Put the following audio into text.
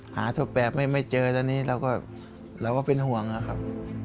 หาตัวแปบไม่เจอแล้วเราก็เป็นห่วงครับ